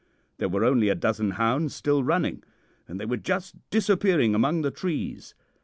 There were only a dozen hounds still running, and they were just disappearing among the trees.